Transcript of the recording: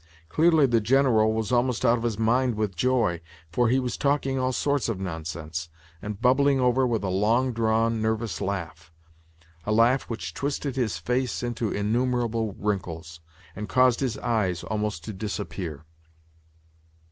Clearly the General was almost out of his mind with joy, for he was talking all sorts of nonsense, and bubbling over with a long drawn, nervous laugh—a laugh which twisted his face into innumerable wrinkles, and caused his eyes almost to disappear.